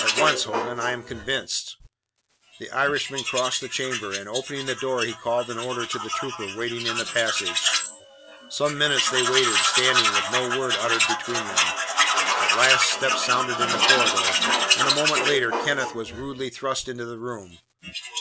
"At once, Hogan. I am convinced." The Irishman crossed the chamber, and opening the door he called an order to the trooper waiting in the passage. Some minutes they waited, standing, with no word uttered between them. At last steps sounded in the corridor, and a moment later Kenneth was rudely thrust into the room.